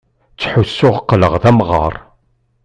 Ttḥussuɣ qqleɣ d amɣaṛ.